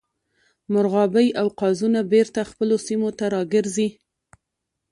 مرغابۍ او قازونه بیرته خپلو سیمو ته راګرځي